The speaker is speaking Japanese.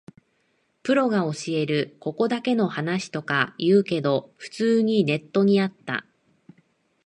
プロが教えるここだけの話とか言うけど、普通にネットにあった